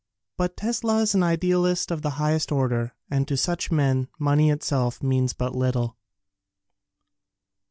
But Tesla is an idealist of the highest order and to such men money itself means but little.